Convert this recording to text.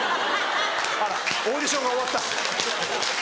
オーディションが終わった。